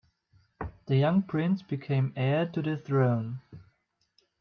The young prince became heir to the throne.